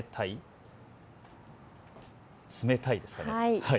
冷たいですかね。